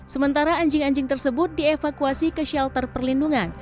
sementara anjing anjing tersebut dievakuasi ke shelter perlindungan